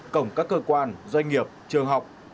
cộng các cơ quan doanh nghiệp trường học